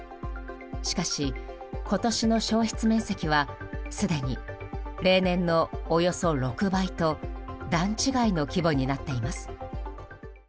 しかし、今年の焼失面積はすでに例年のおよそ６倍と段違いの規模になっています。